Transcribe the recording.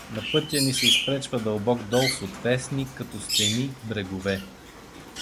На пътя ни се изпречва дълбок дол с отвесни, като стени, брегове.